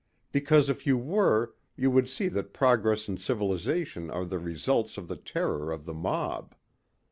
"Because if you were you would see that progress and civilization are the results of the terror of the mob.